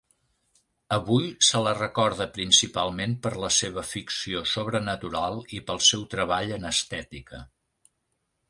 Avui se la recorda principalment per la seva ficció sobrenatural i pel seu treball en estètica.